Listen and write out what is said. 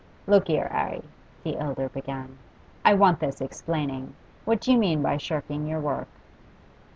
'Look here, 'Arry,' the elder began, 'I want this explaining. What do you mean by shirking your work?